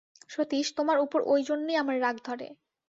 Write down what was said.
সতীশ, তোমার উপর ঐজন্যই আমার রাগ ধরে।